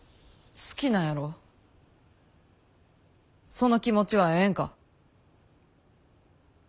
その気持ちはええんか。